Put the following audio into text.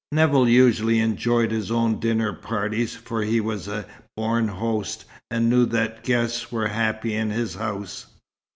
Nevill usually enjoyed his own dinner parties, for he was a born host, and knew that guests were happy in his house.